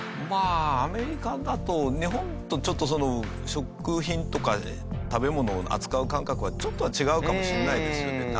まあアメリカだと日本とちょっとその食品とか食べ物を扱う感覚はちょっとは違うかもしれないですよね。